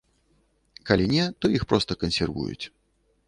Калі не, то іх проста кансервуюць.